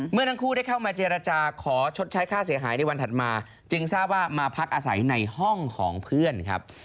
เมื่อทั้งคู่ได้เข้ามาเจรจาขอชดใช้ค่าเสียหายในวันถัดมาจึงทราบว่ามาพักอาศัยในห้องของเพื่อนครับ